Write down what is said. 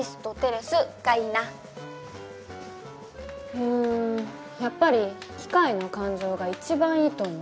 うんやっぱり「機械の感情」が一番いいと思う。